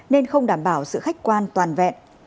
nên không đảm bảo sự khách quan toàn vẹn